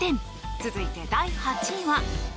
続いて第８位は。